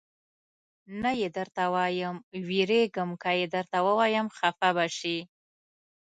نه یې درته وایم، وېرېږم که یې درته ووایم خفه به شې.